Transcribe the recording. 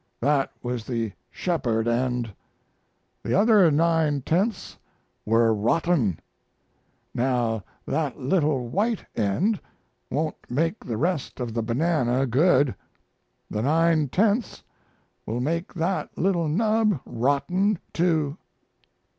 That was the Shepard end. The other nine tenths were rotten. Now that little white end won't make the rest of the banana good. The nine tenths will make that little nub rotten, too.